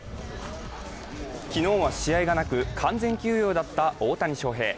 昨日は試合がなく、完全休養だった大谷翔平。